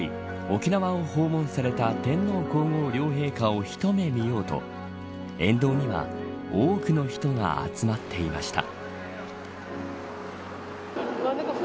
沖縄を訪問された天皇皇后両陛下を一目見ようと沿道には多くの人が集まっていました。